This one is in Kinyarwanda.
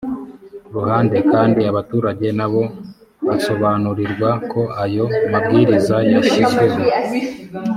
ruhande kandi abaturage nabo basobanurirwa ko ayo mabwiriza yashyizweho